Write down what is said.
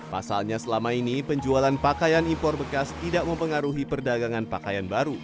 pasalnya selama ini penjualan pakaian impor bekas tidak mempengaruhi perdagangan pakaian baru